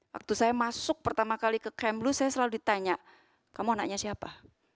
waktu saya masuk pertama kali ke camblu saya selalu ditanya kamu anaknya siapa